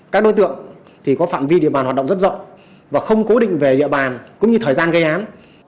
các đối tượng có phạm vi địa bàn hoạt động rất rộng và không cố định về địa bàn cũng như thời gian gây án